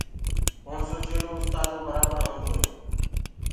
ڪوڻسو چيلو اُستآدو برآبر هوندوئي